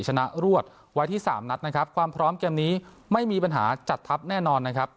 ชนะรวดไว้ที่สามนัดนะครับความพร้อมเกมนี้ไม่มีปัญหาจัดทัพแน่นอนนะครับ